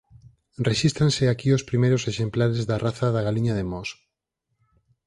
Rexístranse aquí os primeiros exemplares da raza da galiña de Mos.